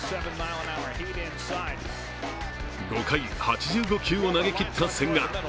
５回、８５球を投げきった千賀。